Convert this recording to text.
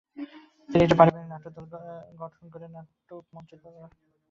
তিনি একটি পারিবারিক নাট্যদল গঠন করে নাটক মঞ্চস্থ করতে শুরু করেন।